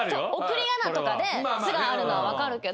送り仮名とかで「つ」があるのは分かるけど。